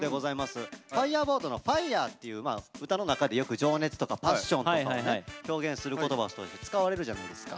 「Ｆｉｒｅｂｉｒｄ」の「Ｆｉｒｅ」っていう歌の中でよく「情熱」とか「パッション」とかをね表現する言葉として使われるじゃないですか。